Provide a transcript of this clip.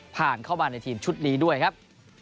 ผ่านเข้ามาในทีมชุดนี้ด้วยครับ